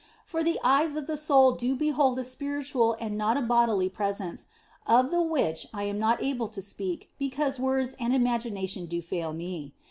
For the eyes of the soul do behold a spiritual and not a bodily presence, of the which I am not able to speak because words and imagina tion do fail me.